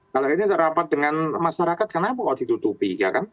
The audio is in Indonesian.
kalau ini ada rapat dengan masyarakat kenapa kok ditutupi ya kan